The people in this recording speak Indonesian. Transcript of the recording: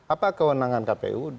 apa kewenangan kpu